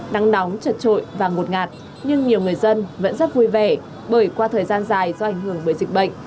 nắng nóng chật trội và ngột ngạt nhưng nhiều người dân vẫn rất vui vẻ bởi qua thời gian dài do ảnh hưởng bởi dịch bệnh